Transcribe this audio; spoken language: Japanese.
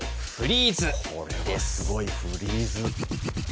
これはすごい、フリーズ。